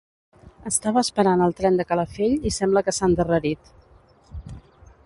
Estava esperant el tren de Calafell i sembla que s'ha endarrerit.